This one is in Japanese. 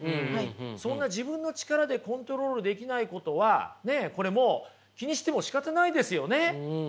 そんな自分の力でコントロールできないことはこれもう気にしてもしかたないですよね。